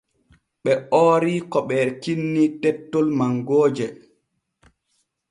Ɓe oori ko ɓee kinni tettol mangooje.